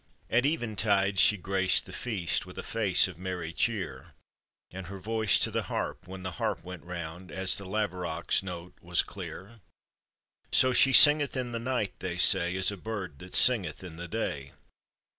At eventide she graced the feast With a face of merry cheer, And her voice to the harp when the harp went round, As the laverock's note was clear; So "she singeth in the night, they say, As a bird that singeth in the day."